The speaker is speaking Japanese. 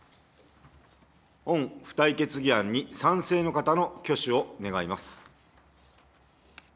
本付帯決議案に賛成の方の挙手を願います。